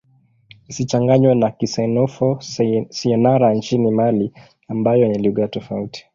Isichanganywe na Kisenoufo-Syenara nchini Mali ambayo ni lugha tofauti.